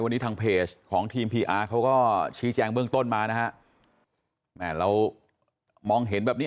วันนี้ทางเพจของทีมพีอาร์เขาก็ชี้แจงเบื้องต้นมานะฮะแม่เรามองเห็นแบบนี้